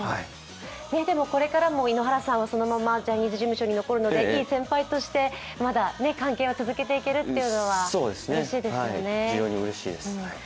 これからも井ノ原さんはそのままジャニーズ事務所に残るのでまだ、関係を続けていけるっていうのはうれしいですよね。